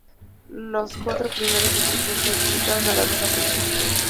Los cuatro primeros equipos clasificaron a la Ronda Final.